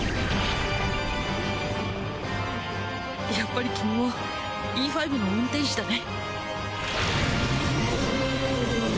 やっぱり君もＥ５の運転士だね。